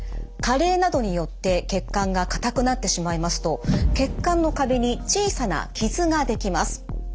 加齢などによって血管が硬くなってしまいますと血管の壁に小さな傷ができます。